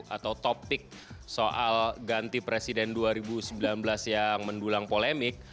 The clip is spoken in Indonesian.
atau topik soal ganti presiden dua ribu sembilan belas yang mendulang polemik